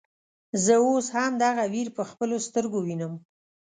زه اوس هم دغه وير په خپلو سترګو وينم.